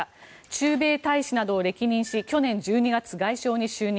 駐米大使などを歴任し去年１２月外相に就任。